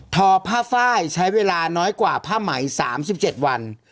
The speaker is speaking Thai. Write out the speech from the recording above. ทอผ้าไฟล์ใช้เวลาน้อยกว่าผ้าไหม๓๗วัน